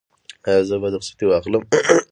ایا زه باید رخصتي واخلم؟